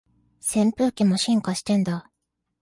扇風機も進化してんだ